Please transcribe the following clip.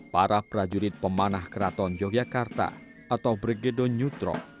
para prajurit pemanah keraton yogyakarta atau brigidon yudro